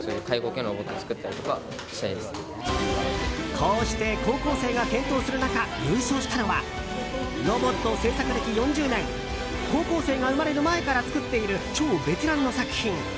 こうして高校生が健闘する中優勝したのはロボット制作歴４０年高校生が生まれる前から作っている超ベテランの作品。